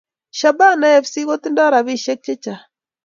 Shabana fc kotindo rapishek che chang